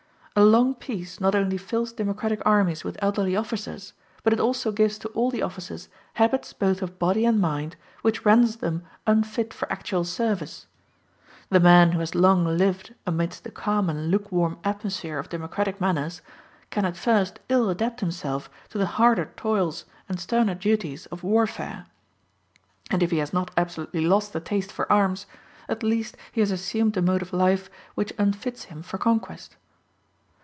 A long peace not only fills democratic armies with elderly officers, but it also gives to all the officers habits both of body and mind which render them unfit for actual service. The man who has long lived amidst the calm and lukewarm atmosphere of democratic manners can at first ill adapt himself to the harder toils and sterner duties of warfare; and if he has not absolutely lost the taste for arms, at least he has assumed a mode of life which unfits him for conquest.